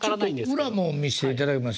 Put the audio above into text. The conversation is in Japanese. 裏も見せていただけます？